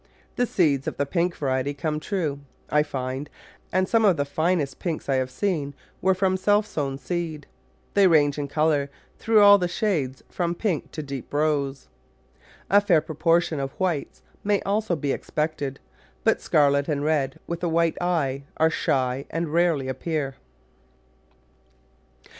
The seeds of the pink variety come true, I find, and some of the finest pinks I have seen were from self sown seed. They range in colour through all the shades from pink to deep rose. A fair proportion of white may also be expected, but scarlet and red with a white eye are shy and rarely appear.